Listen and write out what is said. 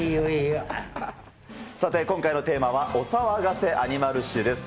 さて、今回のテーマはお騒がせアニマル史です。